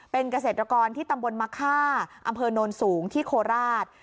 เป็นเกษตรกรที่ตำบลมะค่าอำเภอโนนสูงที่โคราช